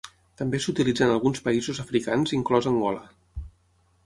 També s'utilitza en alguns països africans inclòs Angola.